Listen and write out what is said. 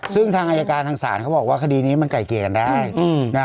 ซึ่งทางอายการทางศาลเขาบอกว่าคดีนี้มันไก่เกลี่ยกันได้นะฮะ